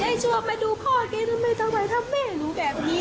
เฮ้ยชัวร์มาดูข้อเก๊ทำไมทำไมทำไม่รู้แบบนี้